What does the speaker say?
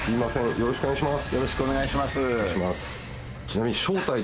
よろしくお願いします。